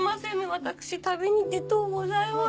私旅に出とうございます。